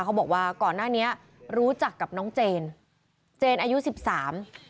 เขาบอกว่าก่อนหน้านี้รู้จักกับน้องเจนเจนอายุสิบสาม